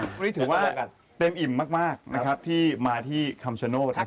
วันนี้ถือว่าเต็มอิ่มมากที่มาที่คำชะโน้ต